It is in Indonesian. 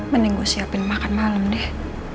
mending gue siapin makan malam deh